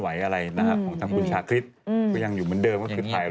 วีเจเลย